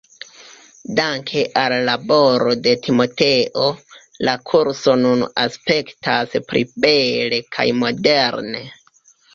Danke al la laboro de Timoteo, la kurso nun aspektas pli bele kaj moderne.